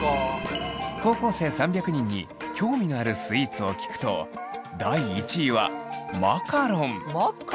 高校生３００人に興味のあるスイーツを聞くと第１位はマカロン！